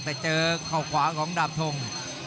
แต่เจอเข้าขวาของดาบทง